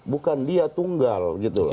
bukan dia tunggal